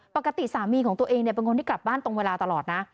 ปกติสามีของตัวเองเป็นคนที่กลับบ้านตรงเวลาตลอดนะ